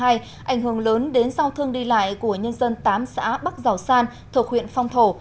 ảnh hưởng lớn đến giao thương đi lại của nhân dân tám xã bắc giảo san thuộc huyện phong thổ